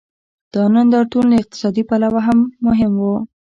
دا نندارتون له اقتصادي پلوه هم مهم و.